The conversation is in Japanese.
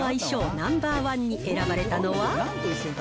ナンバー１に選ばれたのは？